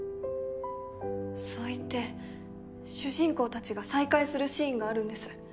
そう言って主人公たちが再会するシーンがあるんです。